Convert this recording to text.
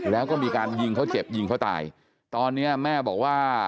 แล้วก็มีการยิงเขาเจ็บยิงเขาตายตอนเนี้ยแม่บอกว่า